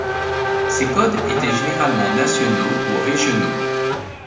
Ces codes étaient généralement nationaux ou régionaux.